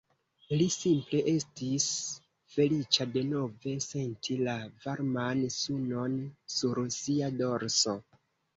Li simple estis feliĉa denove senti la varman sunon sur sia dorso.